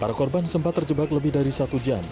para korban sempat terjebak lebih dari satu jam